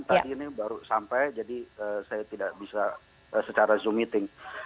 tadi ini baru sampai jadi saya tidak bisa secara zoom meeting